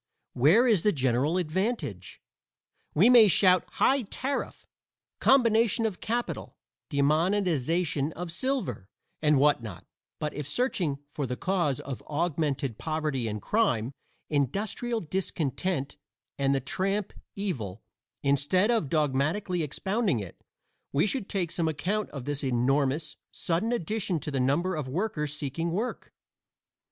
Where is the general advantage? We may shout "high tariff," "combination of capital," "demonetization of silver," and what not, but if searching for the cause of augmented poverty and crime, "industrial discontent" and the tramp evil, instead of dogmatically expounding it, we should take some account of this enormous, sudden addition to the number of workers seeking work.